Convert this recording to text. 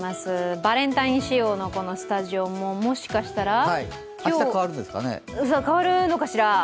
バレンタイン仕様のこのスタジオも、もしかしたら変わるのかしら。